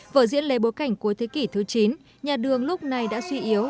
vở diễn lấy bối cảnh cuối thế kỷ thứ chín nhà đường lúc này đã suy yếu